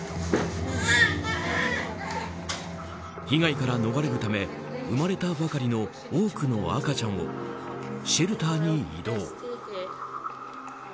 被害から逃れるため生まれたばかりの多くの赤ちゃんをシェルターに移動。